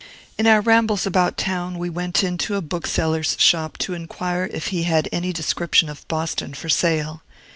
In our rambles about town, we went into a bookseller's shop to inquire if he had any description of Boston for sale.